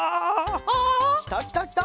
きたきたきた！